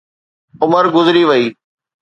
عمر گذري وئي.